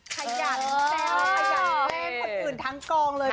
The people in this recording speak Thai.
ขยันแซวขยันแกล้งคนอื่นทั้งกองเลย